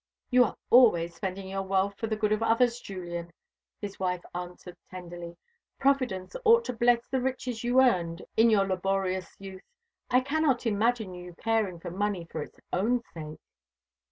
"You are always spending your wealth for the good of others, Julian," his wife answered tenderly. "Providence ought to bless the riches you earned in your laborious youth. I cannot imagine you caring for money for its own sake."